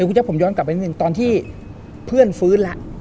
คุณแจ๊ผมย้อนกลับไปนิดนึงตอนที่เพื่อนฟื้นแล้ว